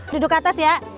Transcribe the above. duduk atas ya